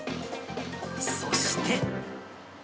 そして。